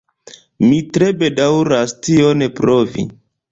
Mi tre bedaŭras tion, pro vi.